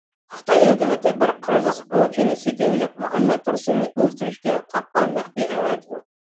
خىتاي ھۆكۈمىتى بىر قىرغىز ئوۋچىنى سېتىۋېلىپ مۇھەممەت تۇرسۇننى ئۆلتۈرۈشكە تاغقا مەخپىي ئەۋەتىدۇ.